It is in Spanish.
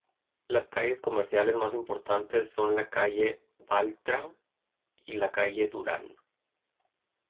Las calles comerciales más importantes son la Calle Baltra y la Calle Durán.